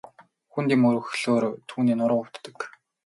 Хүнд юм өргөхлөөр түүний нуруу өвддөг.